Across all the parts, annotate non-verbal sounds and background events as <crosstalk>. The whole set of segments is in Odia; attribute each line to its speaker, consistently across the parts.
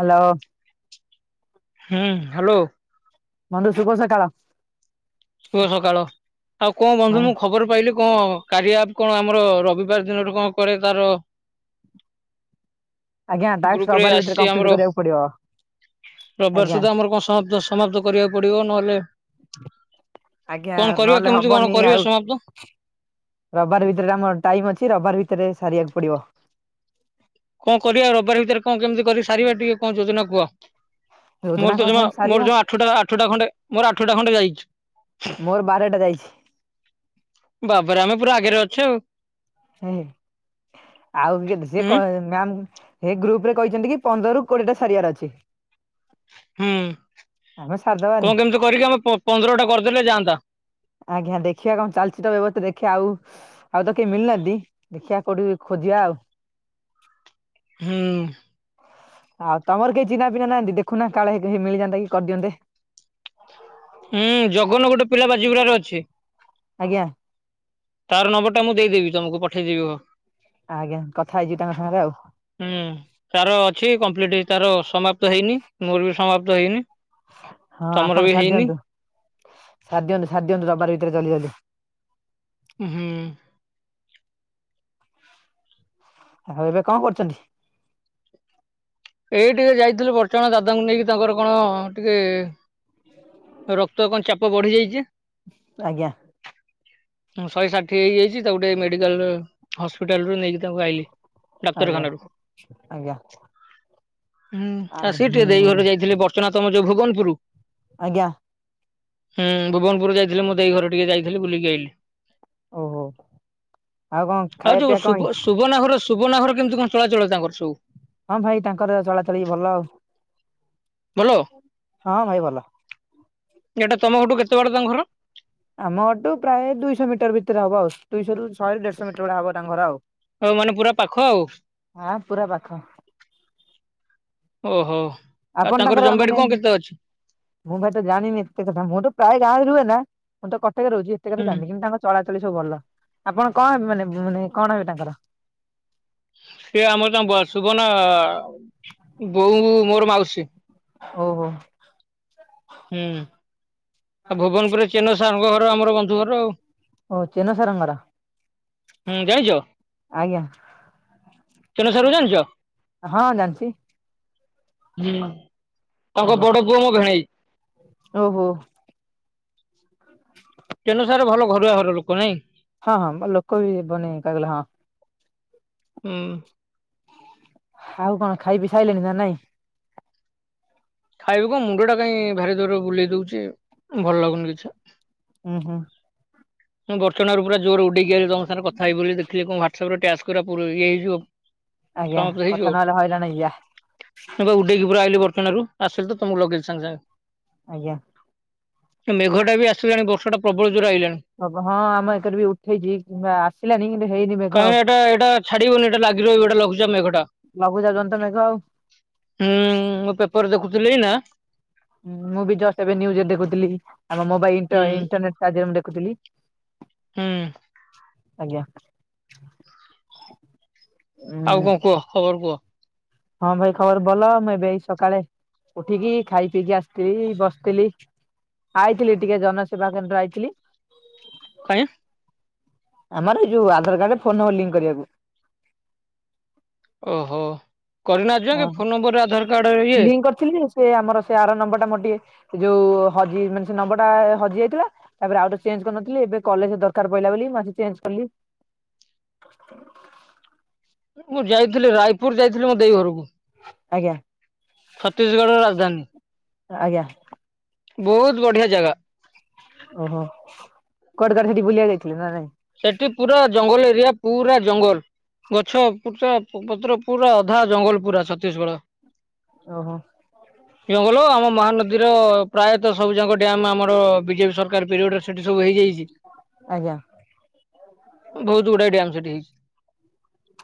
Speaker 1: ହାଲୋ।
Speaker 2: ହୁଁ ହାଲୋ।
Speaker 1: ବନ୍ଧୁ ସୁଭ ସକାଳ।
Speaker 2: ଶୁଭ ସକାଳ ଆଉ କଣ
Speaker 1: ହଁ
Speaker 2: ବନ୍ଧୁ ମୁଁ ଖବର ପାଇଲି କଣ। କାରିଆ ଆପ କଣ ଆମର ରବିବାର ଦିନଠୁ କଣ କୁଆଡେ ତାର।
Speaker 1: ଆଜ୍ଞା
Speaker 2: ଗ୍ରୁପ
Speaker 1: ଟାକ୍ସ
Speaker 2: ରେ
Speaker 1: ଭିତରେ
Speaker 2: ଆସିଛି ଆମର
Speaker 1: କମପ୍ଲିଟ କରିବାକୁ ପଡିବ।
Speaker 2: ରବିବାର
Speaker 1: ଆଜ୍ଞା
Speaker 2: ସୁଦ୍ଧା ଆମର କଣ ସମାପ୍ତ ସମାପ୍ତ କରିବାକୁ ପଡିବ ନହେଲେ।
Speaker 1: ଆଜ୍ଞା
Speaker 2: କଣ କରିବା
Speaker 1: ନହେଲେ
Speaker 2: କେମିତି କଣ
Speaker 1: ହବନି
Speaker 2: କରିବା
Speaker 1: ଆଉ।
Speaker 2: ସମାପ୍ତ
Speaker 1: ରବବାର ଭିତରେ ଆମର ଟାଇମ ଅଛି ରବବାର ଭିତରେ ସାରିବାକୁ ପଡିବ।
Speaker 2: କଁ କରିବା ରବିବାର ଭିତରେ କଁ କେମିତି କରି ସାରିବା ଟିକେ କଁ ଯୋଜନା କୁହ।
Speaker 1: ଯୋଜନା
Speaker 2: ମୋର ତ
Speaker 1: କଣ
Speaker 2: ଜମା
Speaker 1: ସେମିତି
Speaker 2: ମୋର
Speaker 1: ସାରିବା
Speaker 2: ଜମା ଆଠୁଟା ଆଠୁଟା ଖଣ୍ଡେ ମୋର ଆଠୁଟା ଖଣ୍ଡେ ଯାଇଛି।
Speaker 1: ପେ ଟା ଯାଇଛି।
Speaker 2: ବାବାରେ ଆମେ ପୁରା ଆଗରେ ଅଛେ ଆଉ ‌।
Speaker 1: ଏ ହେ ଆଉ କେତେ ସେ
Speaker 2: ହୁଁ
Speaker 1: କ ହେ ମ୍ୟାମ। ହେ ଗ୍ରୁପ ରେ କହିଛନ୍ତି କି ପନ୍ଦରରୁୁ କୋଡିଏଟା ସାରିବାର ଅଛି।
Speaker 2: ହୁଁ
Speaker 1: ଆମେ ସାରିଦବାନି
Speaker 2: କଣ କେମିତି କରିକି ଆମେ ପ ପନ୍ଦର ଟା କରିଦେଲେ ଯାଆନ୍ତା।
Speaker 1: ଆଜ୍ଞା ଦେଖିବା କଣ ଚାଲିଚି ତ ବ୍ୟବସ୍ତା ଦେଖିବା ଆଉ। ଆଉ ତ କେହି ମିଳିନାହାନ୍ତି ଦେଖିବା କୋଉଠି ଖୋଜିବା ଆଉ।
Speaker 2: ହୁଁ।
Speaker 1: ଆଉ ତମର କେହି ଚିନହା ପିନା ନାହାନ୍ତି ଦେଖୁନା କାଳେ ମିଳିଯାନ୍ତା କି କରିଦିଅନ୍ତେ।
Speaker 2: ହୁଁ ଜଗନ ଗୋଟେ ପିଲା ବାଜିିବୁୁରାରେ ଅଛି।
Speaker 1: ଆଜ୍ଞା।
Speaker 2: ତାର ନମ୍ବର ଟା ମୁଁ ଦେଇଦେବି ତମକୁ ପଠେଇଦେବି ହ।
Speaker 1: ଆଜ୍ଞା କଥା ହେଇଯିବି ତାଙ୍କ ସାଙ୍ଗରେ ଆଉ
Speaker 2: ହୁଁ ତାର ଅଛି କମ୍ପ୍ଲିଟ। ତାର ସମାପ୍ତ ହେଇନି ମୋର ବି ସମାପ୍ତ ହେଇନି।
Speaker 1: ହଁ
Speaker 2: ତମର
Speaker 1: ଆପଣ
Speaker 2: ବି ହେଇନି
Speaker 1: ସାରିଦିଅନ୍ତୁ ସାରି ଦିଅନ୍ତୁ ରବବାର ଭି ତେରେ ଜଲଦି ଜଲଦି।
Speaker 2: ହୁଁ।
Speaker 1: ଆଉ ଏବେ କଣ କରୁଛନ୍ତି।
Speaker 2: ଏଇ ଟିକେ ଯାଇଥିଲୁ ବଡଚଣା ଦାଦାଙ୍କୁ ନେଇକି ତାଙ୍କର କଣ ଟିକେ। ରକ୍ତ କଣ ଚାପ ବଢି ଯାଇଚି?
Speaker 1: ଆଜ୍ଞା।
Speaker 2: ଶହେ ଷାଠିଏ ହେଇଯାଇଚି। ତାକୁ ଟିକେ ମେଡିକାଲରୁ ହସ୍ପିଟାଲ ରୁ ନେଇକି ତାଙ୍କୁ ଆଇଲି।
Speaker 1: ଆଜ୍ଞା
Speaker 2: ଡାକ୍ତରଖାନାରୁ
Speaker 1: ଆଜ୍ଞା।
Speaker 2: ହୁଁ
Speaker 1: ଆଉ
Speaker 2: ଆସିକି ଟିକେ ଦେଇ
Speaker 1: ହୁଁ
Speaker 2: ଘରକୁ ଯାଇଥିଲି। ବଡଚଣା ତମର ତମର ଯୋଉ ଭୁବନପୁରୁ।
Speaker 1: ଆଜ୍ଞା।
Speaker 2: ହୁଁ ଭୁବନପୁର ଯାଇଥିଲି। ମୋ ଦେଇ ଘରକୁ ଟିକେ ଯାଇଥିଲି ବୁଲିକି ଆଇଲି।
Speaker 1: ଓହୋ ଆଉ କଣ
Speaker 2: ଆଉ
Speaker 1: ଖାଇବା ପିଇବା
Speaker 2: ଯୋଉ
Speaker 1: କଣ
Speaker 2: ସୁବ
Speaker 1: ହେଇଛି?
Speaker 2: ସୁବର୍ଣ୍ଣା ଘର ସୁବର୍ଣ୍ଣା ଘର କେମିତି କଣ ଚଳାଚଳ ତାଙ୍କର ସବୁ?
Speaker 1: ହଁ ଭାଇ ତାଙ୍କର ଚଳାଚଳ ଭଲ ଆଉ।
Speaker 2: ଭଲ,
Speaker 1: ହଁ ଭାଇ ଭଲ।
Speaker 2: ଏଟା ତମ ଘରଠୁ କେତେ ବାଟ ତାଙ୍କ ଘର?
Speaker 1: ଆମ ଘରଠୁ ପ୍ରାୟ ଦୁଇଶହ ମିଟର ଭିତରେ ହବ ଆଉ। ଦୁଇଶହରୁ ଶହେ ଦେଢଶହ ମିଟର ଭଳିଆ ହବ ତାଙ୍କ ଘର ଆଉ।
Speaker 2: ଆଉ ମାନେ ପୁରା ପାଖ ଆଉ।
Speaker 1: ହଁ ପୁରା ପାଖ
Speaker 2: ଓହୋ। ଆଉ
Speaker 1: ଆପଣ
Speaker 2: ତାଙ୍କର
Speaker 1: ମାନେ
Speaker 2: ଜମବାଡି କଣ କେତେ ଅଛି?
Speaker 1: ମୁଁ ଭାଇ ତ ଜାଣିନି ଏତେ କଥା। ମୁଁ ତ ପ୍ରାୟ ଗାଁ ରୁହେ ନା। ମୁଁ ତ କଟକ ରେ ରହୁଚି।
Speaker 2: ହୁଁ
Speaker 1: କିନ୍ତୁ ତାଙ୍କ ଚଳା ସବୁ ଭଲ। ଆପଣ କଣ ହେବେ ମାନେ ମାନେ କଣ ହେବେ ତାଙ୍କର?
Speaker 2: ଏ ଆମର ତାଙ୍କ ସୁବର୍ଣ୍ଣା, ବୋଉ ମୋର ମାଉସୀ।
Speaker 1: ହଉ ହଉ।
Speaker 2: ହୁଁ। ଆଉ ଭୁବନପୁରରେ ଚେନ ସାର ଙ୍କ ଘର ଆମର ବନ୍ଧୁ ଘର ଆଉ।
Speaker 1: ଓ ଚେନ ସାର ଙ୍କ ଘର,
Speaker 2: ହୁଁ ଜାଣିଛ
Speaker 1: ଆଜ୍ଞା।
Speaker 2: ଚେନ ସାର ଙ୍କୁ ଜାଣିଚ?
Speaker 1: ହଁ ଜାଣିଚି।
Speaker 2: ତାଙ୍କ
Speaker 1: ଆଜ୍ଞା।
Speaker 2: ବଡ ପୁଅ ମୋ ଭେଣେଇ।
Speaker 1: ଓହୋ।
Speaker 2: ଚେନ ସାର ଭଲ ଘରୁଆ ଘର ଲୋକ ନାଇଁ।
Speaker 1: ହଁ ହଁ ଲୋକ ବି ବନେଇ <unintelligible> ହଁ।
Speaker 2: ହୁଁ।
Speaker 1: ଖାଉ କଣ ଖାଇ ପି ସାଇଲେଣି ନା ନାଇଁ?
Speaker 2: ଖାଇବୁ କଣ ମୁଣ୍ଡ ଟା କାଇଁ ଭାରି ଜୋରେ ବୁଲେଇ ଦଉଚି, ଭଲ ଲାଗୁନି କିଛି।
Speaker 1: ଉଁ ହୁଁ।
Speaker 2: ମୁଁ ବଡଚଣା ରୁ ପୁରା ଜୋରେ ଉଡେଇକି ଆଇଲି ତମ ସାଙ୍ଗ ରେ କଥା ହେବି ବୋଲି ଦେଖିଲି କଣ ହ୍ୱାଟସଆପ ରେ ଟାସ୍କ ଗୁରା ଇଏ ହେଇଯିବ।
Speaker 1: ଆଜ୍ଞା
Speaker 2: <unintelligible>
Speaker 1: କଥା
Speaker 2: ହେଇଯିବ।
Speaker 1: ନହେଲେ ହଇରାଣ ହେଇଯିବା
Speaker 2: ମୁଁ ପରା ଉଡେଇକି ପୁରା ଆଇଲି ବ ବଡଚଣା ରୁ ଆସିଲି ତ ତମକୁ ଲଗେଇଲି ସାଙ୍ଗେ ସାଙ୍ଗେ।
Speaker 1: ଆଜ୍ଞା।
Speaker 2: ମେଘ ଟା ବି ଆସିଲାଣି ବର୍ଷା ଟା ପ୍ରବଳ ଜୋରେ ଆଇଲାଣି।
Speaker 1: ହଁ ଆମ ଏକରେ ବି ଉଠେଇଛି କିମ୍ବା ଆସିଲାଣି କିନ୍ତୁ ହେଇନି ମେଘ।
Speaker 2: କାହିଁକି ଏଟା ଏଇଟା ଛାଡିବନି ଏଟା ଲାଗି ଲଘୁଚାପ ମେଘ ଟା।
Speaker 1: ସବୁ ଜାଗା ରେ ତ ମେଘ ଆଉ।
Speaker 2: ହୁଁ, ମୁଁ ପେପର ଦେଖୁଥିଲି ଏଇନା
Speaker 1: ମୁଁ ବି ଜଷ୍ଟ ଏବେ ନ୍ୟୁଜରେ ଦେଖୁଥିଲି। ଆମ ମୋବାଇଲ
Speaker 2: ହୁଁ
Speaker 1: ଇଣ୍ଟର ଇଣ୍ଟରନେଟ ସାହାଯ୍ୟରେ ମୁଁ ଦେଖୁଥିଲି।
Speaker 2: ହୁଁ
Speaker 1: ଆଜ୍ଞା।
Speaker 2: ଆଉ
Speaker 1: ଉଁ
Speaker 2: କଣ କୁହ ଖବର କୁହ?
Speaker 1: ହଁ ଭାଇ ଖବର ଭଲ। ମୁଁ ଏବେ ଏଇ ସକାଳେ ଉଠିକି ଖାଇ ପିଇକି ଆସିଥିଲି ବସିଥିଲି। ଆଇଥିଲି ଟିକେ ଜନସେବା କେନ୍ଦ୍ର ଆଇଥିଲି।
Speaker 2: କାଇଁ।
Speaker 1: ଆମର ଏ ଯୋଉ ଆଧାର କାର୍ଡରେ ଫୋନ ନମ୍ବର ଲିଙ୍କ କରିବାକୁ।
Speaker 2: ଓହୋ। କରିନା ଆଜି
Speaker 1: ହଁ
Speaker 2: ଯାଙ୍କେ ଫୋନ ନମ୍ବରରେ ଆଧାର କାର୍ଡ ଇଏ
Speaker 1: ଲିଙ୍କ କରିଥିଲି ଯେ ସେ ଆମର ସେ ଆର ନମ୍ବର ଟା ମୋର ଟିକେ ଯୋଉ ହଜି ମାନେ ସେ ନମ୍ବର ଟା ହଜି ଯାଇଥିଲା। ତାପରେ ଆଉଥରେ ଚେଞ୍ଜ କରିନଥିଲି ଏବେ କଲେଜରେ ଦରକାର ପଇଲା ବୋଲି ମୁଁ ଆସିକି ଚେଞ୍ଜ କଲି।
Speaker 2: ହ ମୁଁ ଯାଇଥିଲି ରାୟପୁର ଯାଇଥିଲି ମୋ ଦେଇ ଘରକୁ।
Speaker 1: ଆଜ୍ଞା।
Speaker 2: ଛତିଶଗଡ ରାଜଧାନୀ।
Speaker 1: ଆଜ୍ଞା।
Speaker 2: ବହୁତ ବଢିଆ ଜାଗା।
Speaker 1: ଓହୋ! କୁଆଡେ କୁଆଡେ ସେଠି ବୁଲିବାକୁ ଯାଇଥିଲେ ନା ନାଇଁ?
Speaker 2: ସେଠି ପୁରା ଜଙ୍ଗଲ ଏରିଆ। ପୁରା ଜଙ୍ଗଲ ଗଛ ପୁଚ ପତ୍ର ପୁରା ଅଧା ଜଙ୍ଗଲ ପୁରା ଛତିଶଗଡ।
Speaker 1: ଓହୋ
Speaker 2: ଜଙ୍ଗଲ ଆମ ମହାନଦୀର ପ୍ରାୟତଃ ସବୁ ଯାକ ଡ୍ୟାମ୍ ଆମର ବିଜେପି ସରକାର ପିରିୟଡ଼ରେ ସେଠି ସବୁ ହେଇଯାଇଚି।
Speaker 1: ଆଜ୍ଞା।
Speaker 2: ବହୁତ ଗୁଡାଏ ଡ୍ୟାମ୍ ସେଠି ହେଇଛି।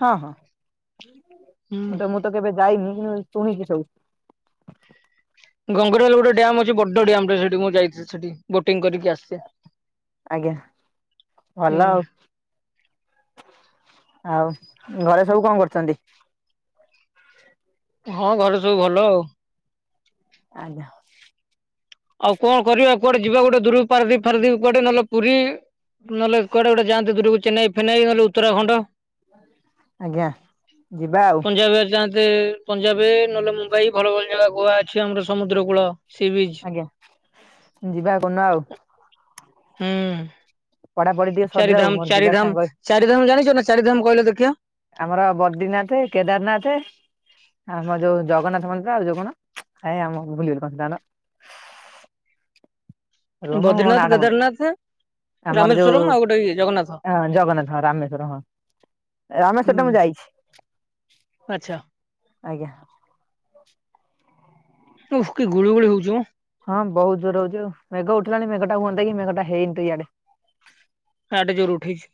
Speaker 1: ହଁ,
Speaker 2: ହୁଁ
Speaker 1: ହଁ ମୁଁ ତ ମୁଁ ତ କେବେ ଯାଇନି କିନ୍ତୁ ଶୁଣିଚି ସବୁ।
Speaker 2: ଗଙ୍ଗୁଡଲ ଗୋଟେ ଡ୍ୟାମ୍ ଅଛି ବଡ ଡ୍ୟାମ୍ ଟେ ସେଠି ମୁଁ ଯାଇଥିଲି ସେଠି। ବୋଟିଂ କରିକି ଆସିଛି।
Speaker 1: ଆଜ୍ଞା
Speaker 2: ହୁଁ।
Speaker 1: ଭଲ ଆଉ। ଆଉ ଘରେ ସବୁ କଣ କରୁଛନ୍ତି?
Speaker 2: ହଁ ଘରେ ସବୁ ଭଲ।
Speaker 1: ଆଜ୍ଞା।
Speaker 2: ଆଉ କଣ କରିବା କୁଆଡେ ଯିବା ଗୋଟେ ଦୂରକୁ ପାରାଦ୍ୱୀପ ଫାରାଦ୍ୱୀପ କୁଆଡେ ନହେଲେ ପୁରୀ? ନହେଲେ କୁଆଡେ ଗୋଟେ ଯାଆନ୍ତେ ଦୂରକୁ ଚେନ୍ନାଇ ଫେନାଇ ନହେଲେ ଉତ୍ତରାଖଣ୍ଡ।
Speaker 1: ଆଜ୍ଞା ଯିବା ଆଉ।
Speaker 2: ଯେ ପଞ୍ଜାବେ ନହେଲେ ମୁମ୍ବାଇ ଭଲ ଭଲ ଜାଗା ଗୋଆ ଅଛି ଆମର ସମୁଦ୍ର କୂଳ ସି ବିଚ୍।
Speaker 1: ଆଜ୍ଞା ଯିବା କୋଉଦିନ ଆଉ।
Speaker 2: ହୁଁ,
Speaker 1: ପଢାପଢି ଟିକେ ସରିଯାଉ
Speaker 2: ଚାରିଧାମ,
Speaker 1: ମୋର ଯିବା ସାଙ୍ଗ
Speaker 2: ଚାରିଧାମ, ଚାରିଧାମ ଜାଣି ଯିବନା ଚାରିଧାମ କହିଲ ଦେଖିଆ?
Speaker 1: ଆମର ବଦ୍ରିନାଥେ, କେଦାରନାଥେ ଆମ ଯୋଉ ଜଗନ୍ନାଥ ମନ୍ଦିର ଆଉ ଯୋଉ କଣ ଆଇ ଆମ ଭୁଲିଗଲି କଣ ସେଟା ତା ନାଁ। ରୁହମ ମୋ
Speaker 2: ବଦ୍ରିନାଥ
Speaker 1: ନାଁ ଟା ମନେ
Speaker 2: କେଦାରନାଥ
Speaker 1: ଆମର ଯୋଉ
Speaker 2: ରାମେଶ୍ଵରମ ଆଉ ଗୋଟେ ଇଏ ଜଗନ୍ନାଥ।
Speaker 1: ଅଁ, ଜଗନ୍ନାଥ ହଁ ରାମେଶ୍ଵର ହଁ। ରାମେଶ୍ୱର ଟା
Speaker 2: ହୁଁ
Speaker 1: ମୁଁ ଯାଇଛି।
Speaker 2: ଆଚ୍ଛା।
Speaker 1: ଆଜ୍ଞା।
Speaker 2: ଉହୁ କି ଗୁଳି ଗୁଳି ହଉଚି ମୋ।
Speaker 1: ହଁ ବହୁତ ଜୋର ହଉଚି ଆଉ। ମେଘ ଉଠିଲାଣି ମେଘ ଟା ହୁଅନ୍ତା କି ମେଘଟା ହେଇନି ତ ଇଆଡେ।
Speaker 2: ଆଡେ ଜୋର ଉଠେଇଛି।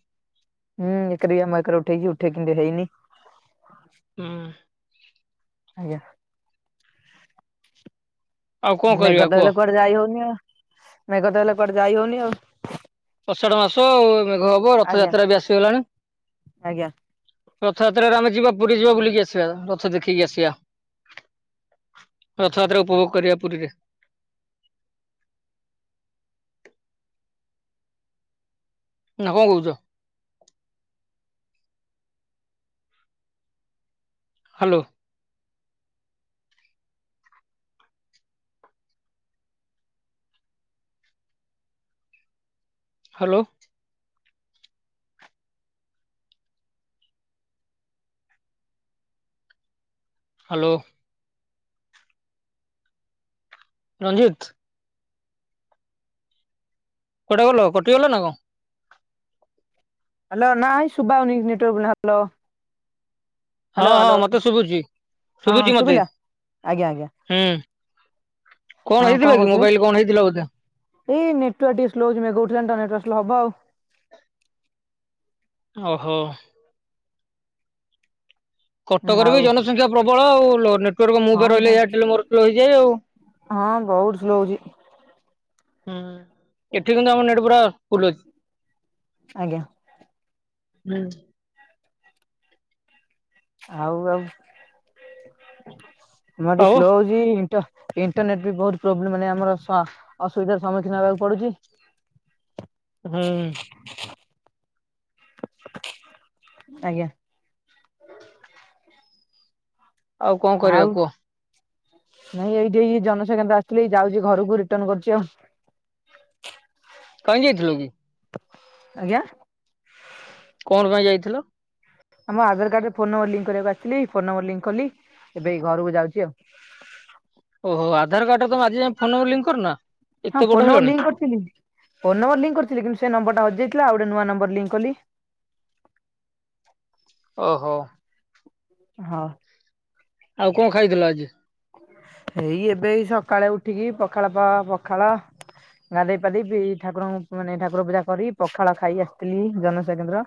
Speaker 1: ହୁଁ, ଏକରେ ବି ଆମ ଏକରେ ଉଠେଇଚି ଉଠେଇକି କିନ୍ତୁ ହେଇନି।
Speaker 2: ହୁଁ।
Speaker 1: ଆଜ୍ଞା ଆ,
Speaker 2: ଆଉ କଣ କରିବା
Speaker 1: ମେଘ ତ
Speaker 2: କୁହ
Speaker 1: ହେଲେ କୁଆଡେ ଯାଇ ହଉନି ଆ,। ମେଘ ତ ହେଲେ କୁଆଡେ ଯାଇ ହଉନି ଆଉ।
Speaker 2: ଅଷାଢ ମାସ ମେଘ ହବ।
Speaker 1: ଆଜ୍ଞା
Speaker 2: ରଥଯାତ୍ରା ବି ଆସିଗଲାଣି।
Speaker 1: ଆଜ୍ଞା।
Speaker 2: ରଥଯାତ୍ରାରେ ଆମେ ଯିବା ପୁରୀ ଯିବା ବୁଲିକି ଆସିବା। ରଥ ଦେଖିକି ଆସିବା। ରଥଯାତ୍ରା ଉପଭୋଗ କରିବା ପୁରୀରେ। ନା କଣ କହୁଚ? ହାଲୋ। ହାଲୋ। ହାଲୋ। ରଞ୍ଜିତ। କୁଆଡେ ଗଲ କଟି ଗଲ ନା କଣ?
Speaker 1: ହ୍ୟାଲୋ ନାଇ ସୁବାଉନି କିଛି ନେଟୱାକ ପ୍ରୋବ୍ଲେମ ହ୍ଯାଲୋ।
Speaker 2: ହଁ ହଁ ମତେ ଶୁଭୁଛି
Speaker 1: ହଁ ହଁ
Speaker 2: ଶୁଭୁଛି ମତେ
Speaker 1: ଶୁଭିଲା ଆଜ୍ଞା ଆଜ୍ଞା।
Speaker 2: ହୁଁ। କଣ
Speaker 1: ହଁ
Speaker 2: ହେଇଥିଲା କି
Speaker 1: କହୁଥିଲେ
Speaker 2: ମୋବାଇଲ କଣ ହେଇଥିଲା ବୋଧେ?
Speaker 1: ଏଇ ନେଟୱାର୍କ ଟିକେ ସ୍ଲୋ ହୋଉଛି ମେଘ ଉଠେଇଲା ତ ଆ ନେଟାର୍କ ସ୍ଲୋ ହବ ଆଉ।
Speaker 2: ଓହୋ। କଟକରେ ବି
Speaker 1: ଆଉ
Speaker 2: ଜନସଂଖ୍ୟା ପ୍ରବଳ ଆଉ ନେଟୱାର୍କ
Speaker 1: ହଁ
Speaker 2: ମୁପା ରହିଲେ
Speaker 1: ବା
Speaker 2: ଏୟାଟେଲ ମୋରୋ ହେଇଯାଏ ଆଉ।
Speaker 1: ହଁ ବହୁତ ସ୍ଲୋ ହଉଛି।
Speaker 2: ହୁଁ ଏଠି କିନ୍ତୁ ଆମ ନେଟ ପୁରା ଫୁଲ ଅଛି।
Speaker 1: ଆଜ୍ଞା।
Speaker 2: ହୁଁ।
Speaker 1: ଆଉ ଆଉ ଏନା ଟିକଲୋ
Speaker 2: ଆଉ
Speaker 1: ସ୍ଲୋ ହଉଛି ଈଂଟ ଇଣ୍ଟରନେଟ୍ ବି ବହୁତ ପ୍ରୋବ୍ଲେ ମାନେ ଆମର ସ ଅସୁବିଧାର ସମ୍ମୁଖୀନ ହେବାକୁ ପଡୁଛି।
Speaker 2: ହୁଁ
Speaker 1: ଆଜ୍ଞା।
Speaker 2: ଆଉ କଣ କରିବା କୁହ?
Speaker 1: ନାଇଁ ଏଇଠି ଏ ଜନସ୍ୱବା କେନ୍ଦ୍ର ଆସିଥିଲେ ଏଇ ଯାଉଛି ଘରକୁ ରିଟର୍ଣ କରୁଛି ଆଉ।
Speaker 2: କାଇଁ ଯାଇଥିଲୁ କି?
Speaker 1: ଆଜ୍ଞା।
Speaker 2: କଣ ପାଇଁ ଯାଇଥିଲ?
Speaker 1: ଆମ ଆଧାର କାର୍ଡ ର ଫୋନ ନମ୍ବର ଲଙ୍କ୍ କରିବାକୁ ଆସିଥିଲି ଫୋନ ନମ୍ବର ଲଙ୍କ କଲି। ଏବେ ଏଇ ଘରକୁ ଯାଉଛି ଆଉ।
Speaker 2: ଓହୋ ଆଧାର କାର୍ଡ ଟା ତମେ ଆଜି ଯ ଫୋନ ନମ୍ବର ଲିଙ୍କ କରୀନା?
Speaker 1: ହଁ
Speaker 2: ଏତେ
Speaker 1: ଫୋନ
Speaker 2: ବଡ
Speaker 1: ନମ୍ବର
Speaker 2: ହେଲଣି।
Speaker 1: ଲିଙ୍କ କରିଥିଲି ଫୋନ ନମ୍ବର ଲୀଙ୍କ କରିଥିଲେ କିନ୍ତୁ ସେ ନମ୍ବର ଟା ହଜିଯାଇଥିଲାଉ ଗୋଟେ ନୂଆ ନମ୍ବର ଲଙ୍କ କଲି।
Speaker 2: ଓହୋ।
Speaker 1: ହଁ
Speaker 2: ଆଉ କଣ ଖାଇଥିଲ ଆଜି?
Speaker 1: ହେଇ ଏବେ ଏଇ ସକାଳୁ ଉଠିକିକ ବର୍ଗୁକି ସକାଳେ ଉଠିକି ପଖାଳ ପଖାଳ। ଗାଧୋଇ ପାଧେଇି ଠାକୁରଙ୍କୁ ମାନେ ଠାକୁର ପୂଜା କରି ପଖାଳ ଖାଇ ଆସିଥିଲି ଜନସବାକେନ୍ଦ୍ର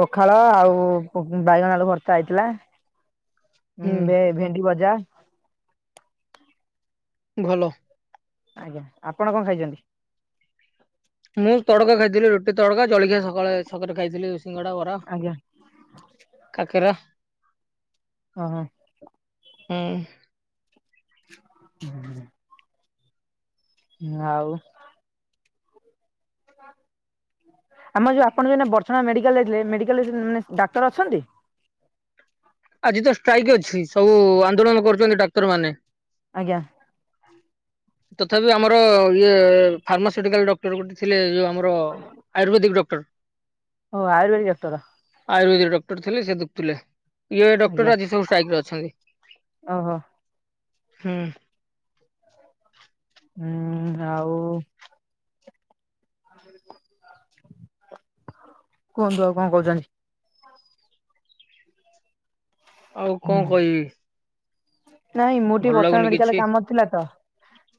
Speaker 1: ପଖାଳ ଆଉ ବାଇଗଣ ଆଳୁ ଭର୍ତ୍ତା ହେଇଥିଲା।
Speaker 2: ହୁଁ
Speaker 1: ଭେବଭେଣ୍ଡି
Speaker 2: ଭଲ।
Speaker 1: ଆଜ୍ଞା, ଆପଣ କଣ ଖାଇଛନ୍ତି?
Speaker 2: ମୁଁ ତଡକା ଖାଇଥିଲି ରୁଟି ତଡକା ଜଳଖିଆ ସକାଳେ ସକାଳେ ଖାଇଥିଲି ସିଙ୍ଗଡ଼ା ବରା
Speaker 1: ଆଜ୍ଞା
Speaker 2: କାକେରା
Speaker 1: ହ ହ
Speaker 2: ହୁଁ।
Speaker 1: ହୁଁ। ଆଉ? ଆମର ଯୋଉ ଆପଣ ଯୋଉ ଇନା ବଟର୍ଚଣା ମେଡିକାଲରେଥିଲେ ମେଡିକାଲ ମାନେ ଡାକ୍ତର ଅଛନ୍ତି?
Speaker 2: ଆଜି ତ ଷ୍ଟ୍ରାଇକ୍ ଅଛି ସବୁ ଆନ୍ଦୋଳନ କରୁଛନ୍ତି ଡାକ୍ତର ମାନେ।
Speaker 1: ଆଜ୍ଞା।
Speaker 2: ତଥାପି ଆମର ଇଏ ଫାର୍ମାସୁଟିକାଲ ଡକ୍ଟର ଗୋଟେ ଥିଲେ ଯୋଉ ଆମ ଧାରକଆୟୁର୍ବେଦିକ ଡାକ୍ତର
Speaker 1: ଓ ଆୟୁର୍ବେଦିକ ଡାକ୍ତର
Speaker 2: ଆୟୁ୍ବେଦିକ ଡଟର ଥିଲେ ସେ ଦୁଖୁଥିଲେ ଇଏ
Speaker 1: ଆଜ୍ଞା
Speaker 2: ଡକ୍ଟର ଆଜି ଷ୍ଟ୍ରାଇକସବୁାଇରେ ଅଛନ୍ତି।
Speaker 1: ଓହୋ
Speaker 2: ହଁ।
Speaker 1: ହୁଁ ଆ? କୁହନ୍ତୁ ଆଉ କଣ କହୁଛନ୍ତି?
Speaker 2: ଆଉ କଣ କହିବି?
Speaker 1: ନାଇଁ ମୁଁ ଟିକେ
Speaker 2: ଭଲ
Speaker 1: ବସଷାଣ୍ଟ
Speaker 2: ଲାଗୁନି
Speaker 1: ମେଡିକାଲ
Speaker 2: କିଛି
Speaker 1: ରେ କାମ ଥିଲା ତ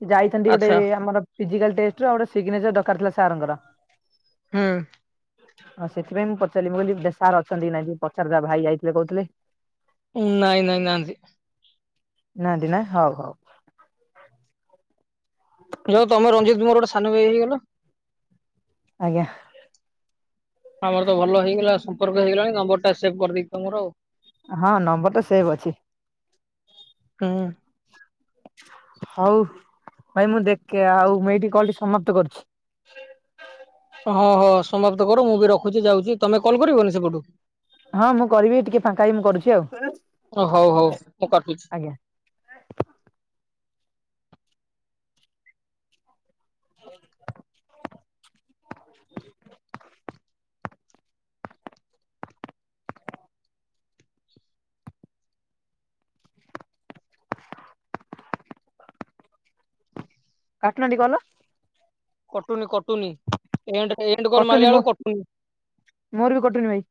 Speaker 1: ଯାଇଥାନ୍ତି ଗୋଟେ
Speaker 2: ଆଚ୍ଛା
Speaker 1: ଆମର ଫିଜିକାଲ ଟେଷ୍ଟର ଆଉ ଗୋଟେ ସିଗ୍ନେଚର ଦରକାର ଥିଲା ସାରଙ୍କର।
Speaker 2: ହୁଁ।
Speaker 1: ଅ ସେଥିପାଇଁ ମୁଁ ପଚାରିଲି ମୁଁ କହିଲି ସାର ଅଛନ୍ତି କି ନାଇଁ ପଚାରିଦବା ଭାଇ ଯାଇଥିଲେ କହୁଥିଲେ।
Speaker 2: ଉଁ, ନାଇଁ ନାଇଁ ନାହାନ୍ତି।
Speaker 1: ନାହାଁନ୍ତି ନା ହଉ ହଉ।
Speaker 2: ଯାଅ ତମରଞ୍ଜିତ ତୁମର ଗୋଟେ ସାନ ଭାଇ ହେଇଗଲା।
Speaker 1: ଆଜ୍ଞା।
Speaker 2: ଆମର ତ ଭଲ ହେଇଗଲା ସମ୍ପର୍କ ହେଇଗଲାଣି ନମ୍ବର ଟା ସେଭ୍ କରି ଦେଇଥା ମୋର ଆଉ।
Speaker 1: ହଁ ନମ୍ବର ତ ସେଭ ଅଛି।
Speaker 2: ଉଁ।
Speaker 1: ହଉ। ଭାଇ ମୁଁ ଦେଖେ ଆଉ ମୁଁ ଏଇଠି କଲ୍ ଟି ସମାପ୍ତ କରୁଛି।
Speaker 2: ହଁ ହଁ ସମାପ୍ତ କର ମୁଁ ବି ରଖୁଛି ଯାଉଛି ତମେ କଲ୍ କରିବନି ସେପଟୁ?
Speaker 1: ହଁ ମୁଁ କରିବି ଟିକେ ଫାଙ୍କା ହେଇ କି ମୁଁ କରୁଛି ଆଉ।
Speaker 2: ଓ ହଉ ହଉ ମୁଁ କାଟୁଛି।
Speaker 1: ଆଜ୍ଞା <inaudible> କାଟୁ ନାହାନ୍ତି କଲ।
Speaker 2: କଟୁନି କଟୁନି ଏଣ୍ଡେ କଲ
Speaker 1: କଟୁନି
Speaker 2: ମାରିଲା
Speaker 1: ମୋ
Speaker 2: ବେଳକୁ କଟୁନି।
Speaker 1: ମୋର ବି କଟୁନି ଭାଇ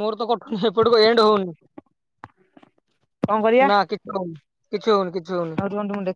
Speaker 2: ମୋର ତ କଟୁନି ଏପଟକୁ ଏଣ୍ଡ ହଉନି।
Speaker 1: କଣ କରିବା
Speaker 2: ନା କିଛି ହଉନି କିଛି ହଉନି କିଛି ହଉନି
Speaker 1: ଆଉ ରୁହନ୍ତୁ ମୁଁ ଦେଖୁଛି।